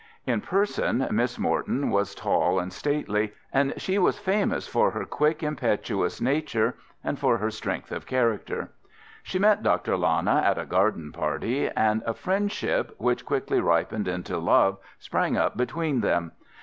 In person Miss Morton was tall and stately, and she was famous for her quick, impetuous nature and for her strength of character. She met Dr. Lana at a garden party, and a friendship, which quickly ripened into love, sprang up between them.